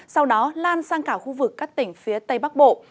sau đó lan sang cả khu vực các tỉnh phía tây bắc bộ